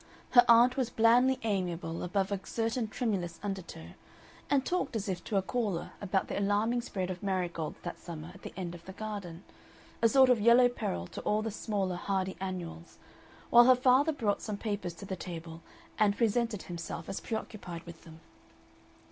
Her aunt was blandly amiable above a certain tremulous undertow, and talked as if to a caller about the alarming spread of marigolds that summer at the end of the garden, a sort of Yellow Peril to all the smaller hardy annuals, while her father brought some papers to table and presented himself as preoccupied with them.